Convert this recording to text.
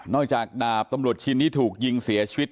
จากดาบตำรวจชินที่ถูกยิงเสียชีวิต